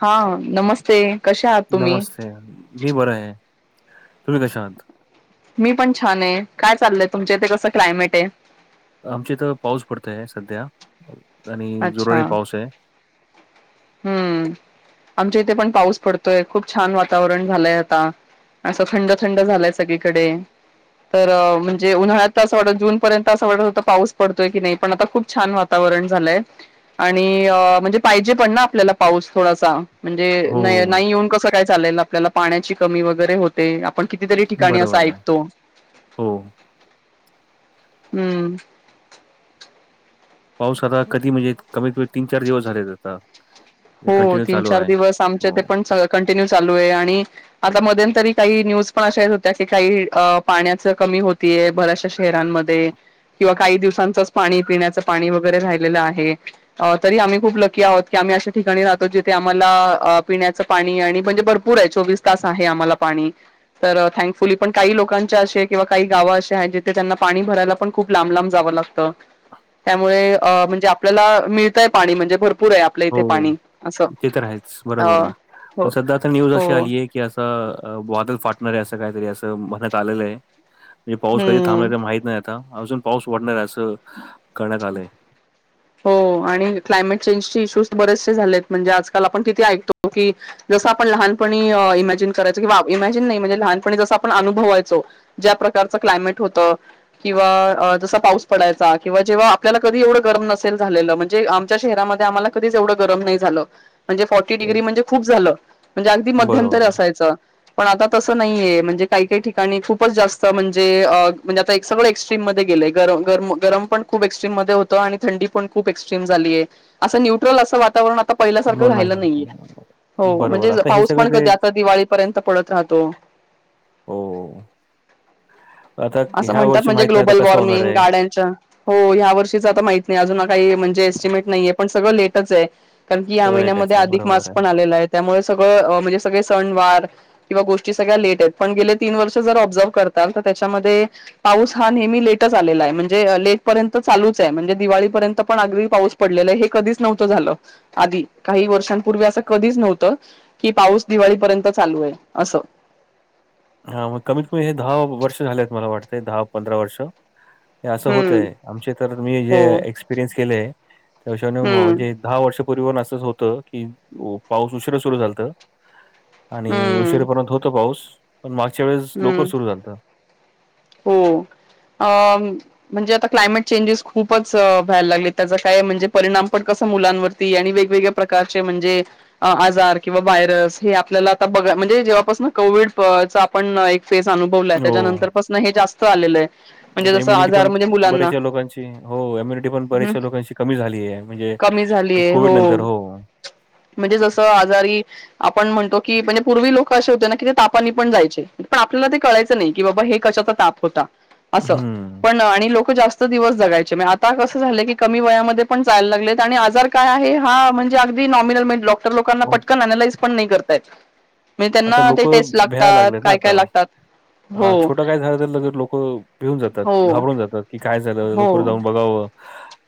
हा हा, नमस्ते. कसे आहात तुम्ही नमस्ते मी बरं आहे तुम्ही कशा आहात. मी पण छान आहे काय चालय तुमच्या इथे कसं क्लायमेट आहे. आमच्या इथं पाऊस पडतोय सध्या. आणि अच्छा जोराने पाऊस आहे. हम्म. आमच्या इथे पण पाऊस पडतोय खूप छान वातावरण झालंय आता. असं थंड थंड झालाय सगळीकडे. तर म्हणजे उन्हाळ्यात असं वाटत जून पर्यंत असं वाटत होता पाऊस पडतोय की नाही पण आता खूप छान वात ''--'' वातावरण झालंय. आणि म्हणजे पाहिजे पण ना आपल्याला पाऊस थोडासा, म्हणजे हो. नाही येऊन कसं काय चालेल आपल्याला पाण्याची कमी वगैरे होते, आपण कितीतरी ठिकाणी असं बरोबर आहे. ऐकतो. हो. हम्म. पाऊस आता कधी म्हणजे, कमी- कमी, तीन- चार दिवस झालेत आता. हे हो कंटिन्यू तीन चालू -चार आहे. दिवस आमच्या हो. ते पण कंटिन्यू चालू आहे आणि आता मध्येंतरी काही न्यूज पण अशा येत होत्या, की काही अ पाण्याच कमी होतीय बऱ्याशा शहारांनमध्ये, किंवा काही दिवसांचंच पाणी पिण्याचं पाणी वगैरे राहिलेलं आहे. अ, तरी आम्ही खूप लकी आहोत की आम्ही असे ठिकाणी राहतो जिथे आम्हाला, पिण्याचं पाणी आणि म्हणजे भरपूर आहे चोवीस तास आहे आम्हाला पाणी. तर थँकफुली, पण काही लोकांच्या अशे किंवा काही गाव अशे अस आहेत, जिथे त्यांना पाणी भरायला पण खूप लांब- लांब जावं लागतं. त्यामुळे म्हणजे आपल्याला मिळतंय पाणी म्हणजे भरपूर आहे आपल्या इथे. हो पाणी असं. ते तर आहेच, अ बरोबर हाय हो पण सध्या आता न्यूज हो अशी आलीय की असं वादल फाटणार आहे, असं काहीतरी असं म्हणत आलेलं आहे. म्हणजे पाऊस कधी हम्म थांबणार माहित नाही आता, अजून पाऊस वाढणार आहे असं करण्यात आलंय. [unintelligible] हो, आणि क्लायमेट चेंज चे इशूज बरेचसे झालेत म्हणजे आजकाल आपण तिथे ऐकतो की जसं आपण लहानपणी इमॅजिन करायचो कि, इमॅजिन नाही म्हणजे लहानपणी जसं आपण अनुभवायचो ज्या प्रकारचं क्लायमेट होत, किंवा जसं पाऊस पडायचा किंवा जेव्हा आपल्याला कधी एवढं गरम नसेल झालेलं, म्हणजे आमच्या शहरामध्ये आम्हाला कधीच एवढं गरम नाही झालं म्हणजे फॉर्टी डिग्री म्हणजे खूप झालं, म्हणजे अगदी बरोबर मध्यंतरी आहे. असायचं. पण आता तसं नाहीये, म्हणजे काही -काही ठिकाणी खूपच जास्त म्हणजे अ, म्हणजे आता एक सगळ एक्स्ट्रीम मध्ये गेलय गरम. गरम, गरम पण खूप एक्स्ट्रीम मध्ये होतं आणि थंडी पण खूप एक्स्ट्रीम झालीय. असं न्यूट्रल असं वातावरण आता पहिल्यासारखं हो, राहिलं नाही. नाहीये, हो बरोबर. म्हणजे आता हे पाऊस सगळं पण ते कधी आता दिवाळीपर्यंत पडत राहतो. हो.. आता असं ह्या म्हणतात वर्षी म्हणजे माहित नाही ग्लोबल आता कसं होणार वॉर्मिंग आहे. गाड्यांच्या हो, ह्या वर्षीच आता माहीत नाही, अजून काही म्हणजे एस्टिमेट नाहीये पण सगळं लेटच हेय. कारण की, या सगळं लेटेच महिन्यामध्ये आहे अधिक बरोबर मास पण आलेला आहे, त्यामुळे सगळं म्हणजे सगळे सण वार किंवा गोष्टी सगळ्या लेट आहेत, पण गेले तीन वर्ष जर ऑब्झर्व करतालं तर त्याच्यामध्ये पाऊस हा नेहमी लेटच आलेला हाय, म्हणजे लेटपर्यंत चालूच हाय, म्हणजे दिवाळीपर्यंत पण अगदी पाऊस पडलेलं हाय, हे कधीच नव्हतं झालं आधी, काही वर्षांपूर्वी असं कधीच नव्हत की पाऊस दिवाळीपर्यंत चालूय असं. हा मग, कमीत- कमी हे दहा वर्ष झालेत, मला वाटतय, दहा -पंधरा वर्ष हे असं हम्म होतय, आमचे तर मी जे हो एक्सपिरियन्स केलेय त्या पेक्षा हम्म मौजेट दहा वर्षापूर्वी असंच होतं की, पाऊस उशीर सुरू झालतं आणि हम्म उशिरापर्यंत होत पाऊस, पण मागच्या वेळेस लवकर हम्म सुरू झालतं. हो, अम म्हणजे आता क्लायमेट चेंजेस खूपच व्हायला लागले, त्यांज काय म्हणजे परिणाम पण कसं मुलांनवर ती, आणि वेगवेगळ्या प्रकारचे म्हणजे आजार किंवा वायरस हे आपल्याला आता बघ, म्हणजे जेव्हापासून कोविड च आपण फेस अनुभवलाय हो त्याच्यानंतर पसन हे जास्त आलेलंय, म्हणजे आता जस इम्युनिटी आजार पण म्हणजे मुलांना, बऱ्याचशा लोकांची हो इम्युनिटी पण हम. बऱ्याचशा लोकांची कमी झालीय, म्हणजे कोविड नंतर हो. म्हणजे जसं आजारी आपण म्हणतो की म्हणजे पूर्वी लोक असे होते ना... की ते तापानी पण जायचे... पण आपल्याला ते कळायचं नाही... की बाबा हे कशाचा ताप होता... असं... हम्म पण आणि लोक जास्त दिवस जगायचे. आता कसं झालं की... कमी वयामध्ये पण जायला लागलेत आणि आजार काय आहे हा म्हणजे अगदी नॉमिनल की डॉक्टर लोकांना पटकन अनालाईज पण नाही करता येत. म्हणजे आता त्यांना ते लोक टेस्ट भ्यायला लागतात... लागलेत ना काय काय लागतात... हो. हां, छोटं आता काय झालं तर... लोकं भिऊन जातात... हो घाबरून जातात... की काय झालं... लौकर हो जाऊन बघावं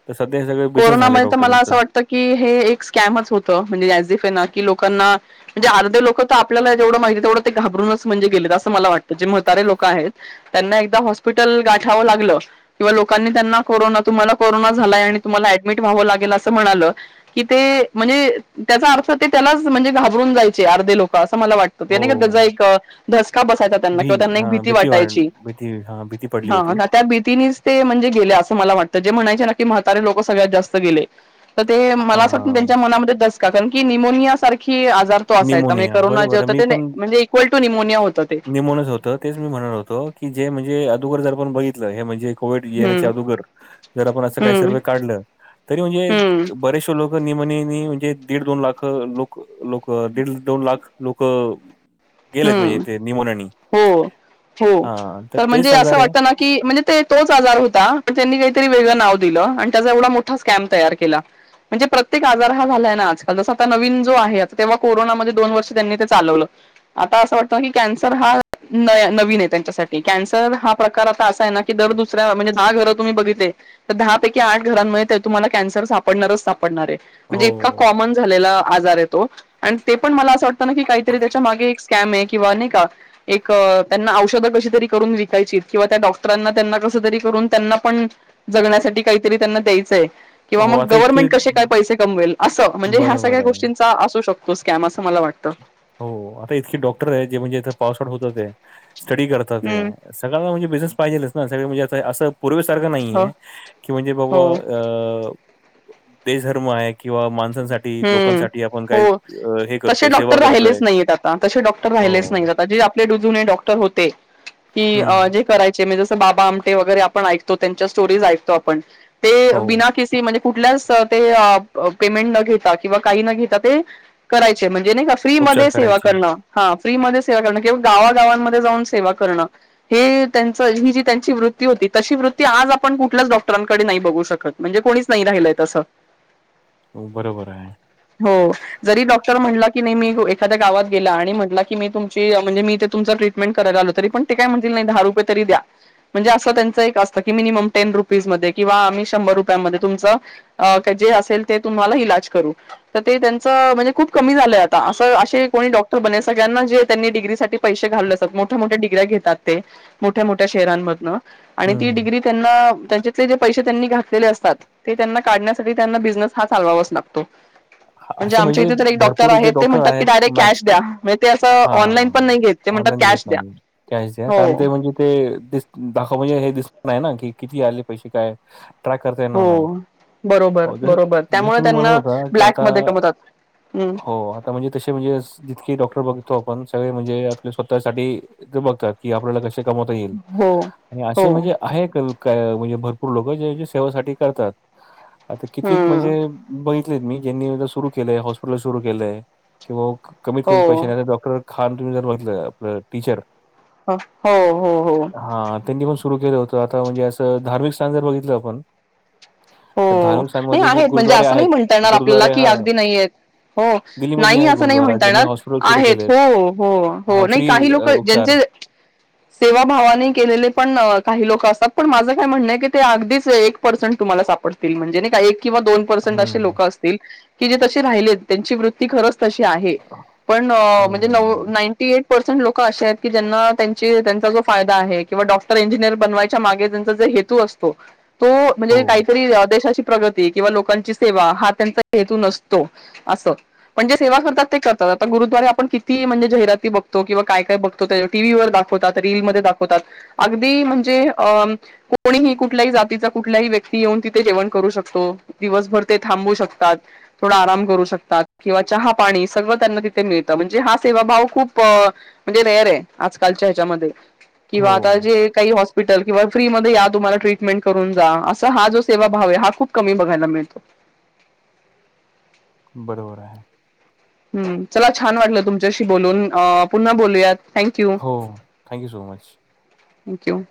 तर सध्या हा सगळा बिझनेस झालाय कोरोनामध्ये तर मला डॉक्टरांचा. असं वाटतं की हे एक स्कॅमच होतं... म्हणजे [unintelligible] कि लोकांना म्हणजे अर्धे लोक तर... आपल्याला जेवढं माहिती आहे तेवढं ते... घाबरूनच म्हणजे गेलेत... असं मला वाटतं जे म्हतारे लोकं आहेत त्यांना एकदा हॉस्पिटल गाठावं लागलं... किंवा लोकांनी त्यांना... कोरोना... तुम्हाला कोरोना झालाय आणि तुम्हाला ऍडमिट व्हावं लागेल असं म्हणालं कि ते... म्हणजे... त्याचा अर्थ... ते त्यालाच म्हणजे... घाबरून जायचे... अर्धे लोकं... असं मला वाटतं. ते हो. नई का त्याचा एक धसका बसायचा त्यांना भी किंवा त्यांना एक हां, भीती वाढ वाटायची... भीती हां, भीती पडली होती. हा त्या भीतीनेच ते म्हणजे गेले... असं मला वाटतं. जे म्हणायचे ना की म्हातारे लोकं सगळ्यात जास्त गेले तर ते मला असं वाटतं... हां, त्यांच्या मनामध्ये दसका... का कारण की न्यमोनिया सार की आजार तो असायचा. म्हणजे निमोनिया. करोना जे बरोबर आहे. होतं मी ते म्हणजे इक्वल टू निमोनिया होतं ते. निमोनिया जे होतं तेच मी म्हणल होतो... की जे म्हणजे अदोगर जर आपण बघितलं... हे म्हणजे कोविड येण्याच्या हम्म अदोगर जर आपण असं काही हम्म सर्व काढलं... तरी हम्म म्हणजे बरेच लोकं निमोनियानी म्हणजे दीड दोन लाखं.. लोक... लोक दीड दोन लाख लोकं गेलेत म्हणजे हम्म... ते निमोनियानी. हो... हो... हां, तर तेच म्हणजे... असं आजार आहे. वाटतं ना की म्हणजे ते... तोच आजार होता... त्यांनी काहीतरी वेगळं नाव दिलं... आणि त्याचा एवढा मोठा स्कॅम तयार केला. म्हणजे प्रत्येक आजार हा झालाय ना आजकाल... जसं आता नवीन जो आहे आता... तेव्हा कोरोनामध्ये दोन वर्ष त्यांनी ते चालवलं आता असं वाटतं... की कॅन्सर हा नवीन आहे त्यांच्यासाठी... कॅन्सर हा प्रकार आता असा आहे ना की दर दुसऱ्या... म्हणजे दहा घरं तुम्ही बघितले तर दहा पैकी आठ घरांमुळे तुम्हाला कॅन्सर सापडणारच सापडणार ए. म्हणजे इतका हो. कॉमन झालेला आजार आहे तो... अ... ते पण मला असं वाटतं ना की... काहीतरी त्याच्या मागे कॅम आहे किंवा नाई का? एक... त्यांना औषधं कशी तरी करून विकायची किंवा त्या डॉक्टरांना त्यांना कसं तरी करून त्यांना पण जगण्यासाठी काहीतरी त्यांना द्यायचंय किंवा हो, मग आता इतके गव्हर्नमेंट कशे काय पैसे कमवेल... असं म्हणजे ह्या बरोबर सगळ्या आहे. गोष्टींचा असू शकतो. तो स्कॅम असं मला वाटतं. हो... आता इतके डॉक्टर आहे... जे म्हणजे इथं पास आऊट होतात ए... स्टडी करताएत हम्म ते सगळ्यांना म्हणजे बिझनेस पाहिजेलच ना.. सगळे म्हणजे... असं पूर्वेसारखं हो नाहीेए की... म्हणजे बबा हो अ... देशधर्म आहे किंवा माण -सांसाठी... हम्म लोकांसाठी... आपण काय... हो हे तसे करतोय... सेवा डॉक्टर करतो राहिलेच नाहीयेत आता... तशे डॉक्टर्स राहिलेच नाही आता... जे आपले जुने डॉक्टर होते की... अं हं. म्हणजे करायचे... बाबा आमटे वगैरे... आपण ऐकतो... त्यांच्या स्टोरीज ऐकतो आपण ते हो, बिना... के सी म्हणजे कुठल्याच ते... अं.. अं पेमेंट न घेता... किंवा काही न घेता... ते करायचे... म्हणजे नाही का... फ्री उपचार मध्ये सेवा करायचे. करणं हा... फ्रीमध्ये सेवा करणं... किंवा गावागावांमध्ये जाऊन सेवा करणं हे त्यांचं... ही जी त्यांची वृत्ती होती... तशी वृत्ती आज आपण कुठल्याच डॉक्टरांकडे नाही बघू शकत. म्हणजे कोणीच नाही राहिलंय तसं. हो... बरोबर आहे. हो जरी डॉक्टर म्हणटला की नाही मी एखाद्या गावात गेला आणि म्हटला की मी तुमची म्हणजे मी ते तुम ट्रिट मेट करायला आलो तरी पण ते काय म्हणतील नाही दहा रुपय तरी द्या म्हणजे असं त्यांचं एक असतं की मिनिमम टेन रुपीज मध्ये किंवा आम्ही शंभर रुपयांमध्ये तुमच अ जे असेल ते तुम्हाला इलाज करू तर ते त्यांच म्हणजे खूप कमी झालंय आता असं असे कोणी डॉक्टर बनेल सगळ्यांना जे त्यांनी डिग्रीसाठी पैसे घालवले असतात मोठ्या, मोठ्या डीग्र्या घेतात ते मोठ्या, मोठ्या शहरांमधन आणि ती हं. डिग्री त्यांना त्यांच्या ते जे पैसे त्यांनी घातलेले असतात ते त्यांना काढण्यासाठी त्यांना बिझनेस हा चालवावाच लागतो म्हणजे असे आमच्या इथे तर एक डॉक्टर भरपूर जे आहेत ते डॉक्टर म्हणतात की आहेत डायरेक्ट कॅश मॅक्स द्या म्हणजे ते असं ऑनलाईन पण हां, नाही घेत ते म्हणतात ऑनलाईन घेत कॅश द्या नाही. कॅश द्या. हो कारण ते म्हणजे ते दि दाखव म्हणजे हे दिसत आहे ना कि किती आले पैसे काय ट्राय करता येणार हो नाही बरोबर जस, बरोबर जस त्यामुळे तुम्ही म्हणत त्यांना होता ह ब्लॅक मध्ये कमवतात हम्म, हो हो आता म्हणजे तसे म्हणजे जितके डॉक्टर बघतो आपण सगळे म्हणजे आपल्या स्वतःसाठी ते बघतात की आपल्याला कसे कमवता येईल हो आणि हो असे म्हणजे आहे का काय म्हणजे भरपूर लोक जे सेवासाठी करतात आता कितीक हम्म म्हणजे बघितलेत मी ज्यांनी सुरू केलंय हॉस्पिटल सुरू केलंय किंवा कमीत हो कमीत पैशा नाही डॉक्टर खान तुम्ही जर बघितलं आपलं टीचर हो हो हो हा त्यांनी पण सुरू केलं होत आता म्हणजे असं धार्मिक स्थान जर बघितलं आपण तर हो धार्मिक नाही स्थानमध्ये असे आहेत म्हणजे गुरुद्वारे असं नाही आहेत. म्हणता येणार आपल्याला गुरुद्वारे की हां, अगदी नाहीयेत हो दिल्लीमध्ये नाही आहे असं नाही गुरुद्वारा म्हणता ज्यांनी येणार हॉस्पिटल सुरू आहेत केलेत. हो, हो, हा हो नाही फ्री काही लोक अ, उपचार. ज्यांचे [unintelligible] सेवा भावाने केलेले पण काही लोक असतात पण माझं काय म्हणणं आहे की ते अगदीच एक पर्सेंट तुम्हाला साप पडतील म्हणजे का किंवा दोन पर्सेंट असे हं, लोक असतील की जे तसे राहिलेत त्यांची वृत्ती खरंच तशी आहे पण म्हणजे नव हं. नाईंटी एट पर्सेंट लोक असे आहेत की ज्यांना त्यांची त्यांचा जो फायदा आहे किंवा डॉक्टर इंजिनियर बनवायच्या मागे त्यांचा जे हेतू असो हो तो हो, म्हणजे काही ही देशाची प्रगती किंवा लोकांची सेवा हा त्यांचा हेतू नसतो अस पण जे सेवा करतात ते करतात आता गुरुद्वारे आपण किती म्हणजे जाहिराती बघतो किंवा काय काय बघ तो ते टी व्ही वर दाखवतात रीलमध्ये दाखवतात अगदी म्हणजे अ कोणीही कुठल्याही जातीचा कुठल्याही व्यक ती येऊन तिथे जेवण करू शकतो दिवसभर ते थांबू शकतात थोडा आराम करू शकतात किंवा चहा पाणी सगळं त्यांना तिथे मिळतं म्हणजे हा सेवाभाव खूप म्हणजे रेअर आहे आजकालच्या ह्याच्यामध्ये किंवा आता हो. जे काही हॉस्पिटल किंवा फ्री मध्ये या तुम्हाला ट्रीटमेंट करून जा हा जो सेवा भाव आहे हा खूप कमी बघायला मिळतो बरोबर आहे हम्म चला छान वाटलं तुमच्याशी बोलून अ पुन्हा बोलूयात थँक्यू हो थँक्यू सो मच थँक्यू